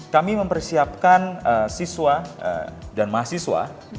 kami mempersiapkan siswa dan mahasiswa